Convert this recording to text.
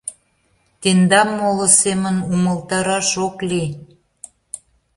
Тендам моло семын умылтараш ок лий!..